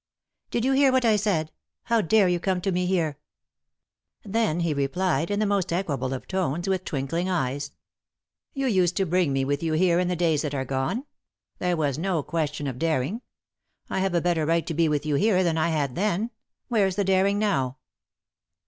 " Did you hear what I said ? How dare you come to me here ?" Then he replied, in the most equable of tones, with twinkling eyes : "You used to bring me with you here in the 57 3i 9 iii^d by Google THE INTERRUPTED KISS days that are gone—there was no question of daring. I have a better right to be with you here than I had then — where's the daring now